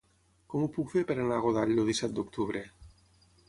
Com ho puc fer per anar a Godall el disset d'octubre?